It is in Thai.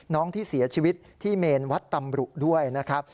ที่เสียชีวิตที่เมนวัดตำรุด้วยนะครับ